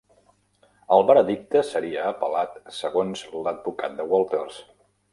El veredicte seria apel·lat segons l'advocat de Walters.